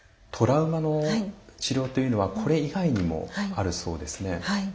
トラウマの治療というのはこれ以外にもあるそうですね。